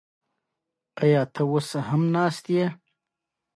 اتیوس په ځوانۍ کې د بربریانو له لوري برمته کړای شو